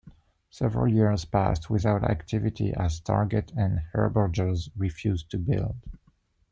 Several years passed without activity as Target and Herberger's refused to build.